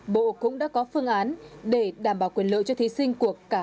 bộ cũng đã có phương án để đảm bảo quyền lợi cho thí sinh cuộc cả hai đợt